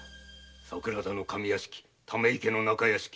桜田の上屋敷溜池の中屋敷。